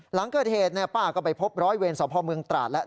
หลังเกิดเหตุป้าก็ไปพบร้อยเวรสพเมืองตราดแล้ว